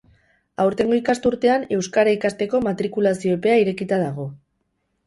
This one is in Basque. Aurtengo ikasturtean euskara ikasteko matrikulazio epea irekita dago.